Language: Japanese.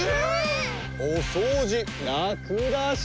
おそうじラクだし。